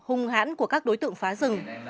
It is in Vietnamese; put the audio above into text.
hung hãn của các đối tượng phá rừng